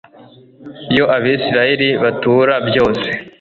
ibyo abayisraheli batura byose